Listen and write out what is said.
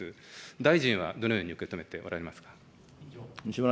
大臣はどのように受け止めておられますか。